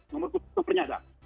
nomor khusus itu pernyata